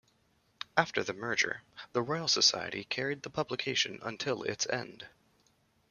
After the merger, the Royal Society carried the publication until its end.